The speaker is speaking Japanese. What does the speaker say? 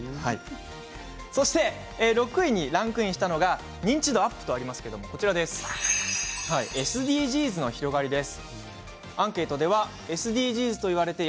そして６位にランクインしたのが認知度アップとありますけれどもＳＤＧｓの広がりです。